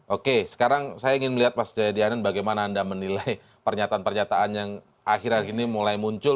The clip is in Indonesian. oke sekarang saya ingin melihat mas jayadian bagaimana anda menilai pernyataan pernyataan yang akhir akhir ini mulai muncul